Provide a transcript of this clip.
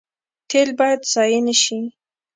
تیل باید ضایع نشي